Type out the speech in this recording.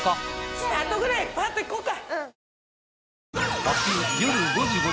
スタートくらいパーッといこうか。